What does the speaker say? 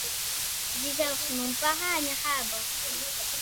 Dijous mon pare anirà a Bot.